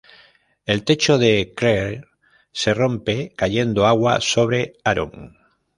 El techo de Claire se rompe, cayendo agua sobre Aaron.